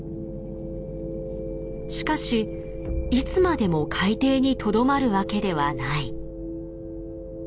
しかしいつまでも海底にとどまるわけではない。